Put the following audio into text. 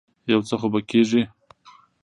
يو څه خو به کېږي.